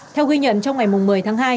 theo ghi nhận trong ngày một mươi tháng hai